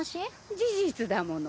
事実だもの。